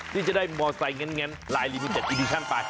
ที่จะได้มอเตอร์ไซค์เงินลายรีวิว๗อีดิชั่นไป